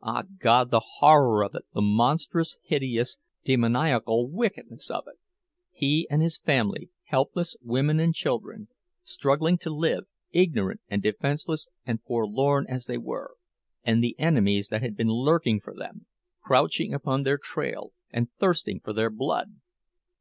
Ah, God, the horror of it, the monstrous, hideous, demoniacal wickedness of it! He and his family, helpless women and children, struggling to live, ignorant and defenseless and forlorn as they were—and the enemies that had been lurking for them, crouching upon their trail and thirsting for their blood!